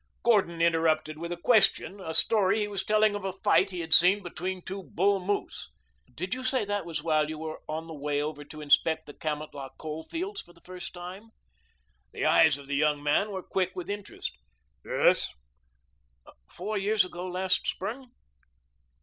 Gordon interrupted with a question a story he was telling of a fight he had seen between two bull moose. "Did you say that was while you were on the way over to inspect the Kamatlah coal fields for the first time?" The eyes of the young man were quick with interest. "Yes." "Four years ago last spring?"